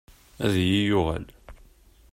Ad yi-yuɣal.